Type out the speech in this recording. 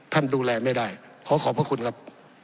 ท่านดูแลไม่ได้ขอขอบพระคุณครับ